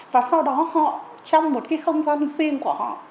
và sau đó họ trong một cái không gian riêng của họ